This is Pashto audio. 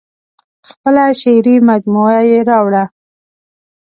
خپله شعري مجموعه یې راوړه.